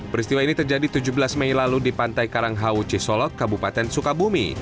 peristiwa ini terjadi tujuh belas mei lalu di pantai karanghau cisolok kabupaten sukabumi